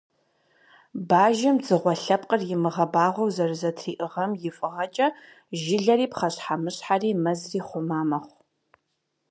Бажэм дзыгъуэ лъэпкъыр имыгъэбагъуэу зэрызэтриӏыгъэм и фӏыгъэкӏэ, жылэри, пхъэщхьэмыщхьэри, мэзри хъума мэхъу.